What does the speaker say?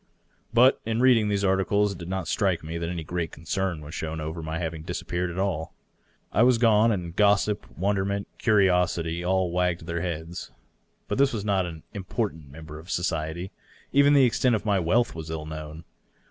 But in reading these articles it did not strike me that any great concern was shown as to my having disappeared at all. I was gone, and gossip, wonderment, curiosity, all wagged their heads. But I was not an important member of society. Even the extent of my wealth was ill known.